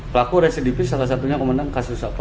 pelaku residivis salah satunya pemenang kasus apa